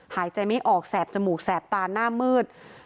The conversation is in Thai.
หายใจไม่ออกแสบจมูกแสบตาหน้ามืด